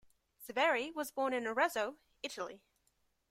Severi was born in Arezzo, Italy.